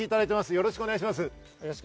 よろしくお願いします。